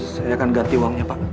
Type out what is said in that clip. saya akan ganti uangnya pak